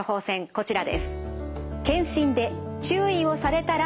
こちらです。